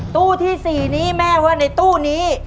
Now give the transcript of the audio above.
ตู้ที่๔นี้แม่ว่าในตู้นี้